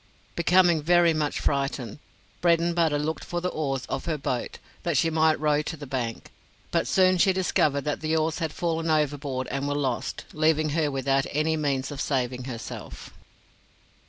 Becoming very much frightened, Bredenbutta looked for the oars of her boat, that she might row to the bank; but soon she discovered that the oars had fallen overboard and were lost, leaving her without any means of saving herself.